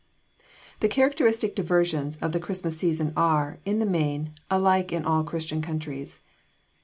The characteristic diversions of the Christmas season are, in the main, alike in all Christian countries.